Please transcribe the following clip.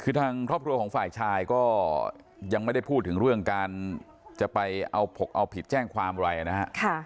คือทางครอบครัวของฝ่ายชายก็ยังไม่ได้พูดถึงเรื่องการจะไปเอาผกเอาผิดแจ้งความอะไรนะฮะ